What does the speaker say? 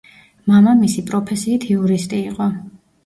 მამამისი პროფესიით იურისტი იყო.